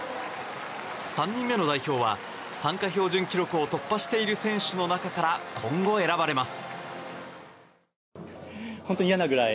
３人目の代表は参加標準記録を突破している選手の中から今後、選ばれます。